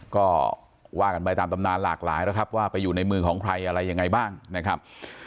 ก็ว่ากันไปตามตำนานหลากหลายแล้วครับว่าไปอยู่ในมือของใครอะไรยังไงบ้างนะครับ